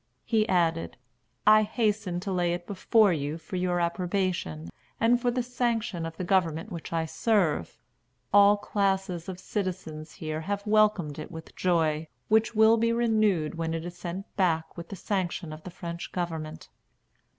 He added: "I hasten to lay it before you for your approbation, and for the sanction of the government which I serve. All classes of citizens here have welcomed it with joy, which will be renewed when it is sent back with the sanction of the French government."